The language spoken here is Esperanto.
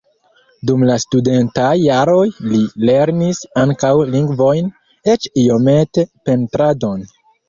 Dum la studentaj jaroj li lernis ankaŭ lingvojn, eĉ iomete pentradon.